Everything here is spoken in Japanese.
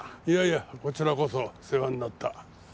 いやいやこちらこそ世話になった。